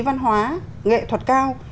văn hóa nghệ thuật cao